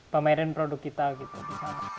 pameran produk kita gitu